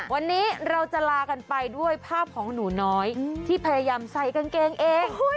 วันนี้เราจะลากันไปด้วยภาพของหนูน้อยที่พยายามใส่กางเกงเอง